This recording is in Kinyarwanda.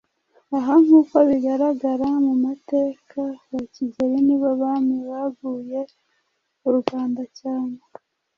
Aha nk’uko bigaragara mu mateka, ba Kigeli nibo bami baguye u Rwanda cyane,